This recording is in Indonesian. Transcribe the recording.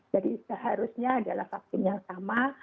jadi seharusnya adalah vaksin yang sama